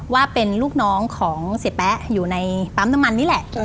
ว่าเป็นลูกน้องของเสียแป๊ะอยู่ในปั๊มน้ำมันนี่แหละ